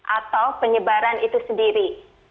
atau penyebaran itu sendiri